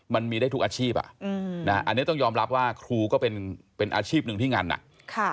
มันมีได้ทุกอาชีพอันนี้ต้องยอมรับว่าครูก็เป็นอาชีพหนึ่งที่งานหนัก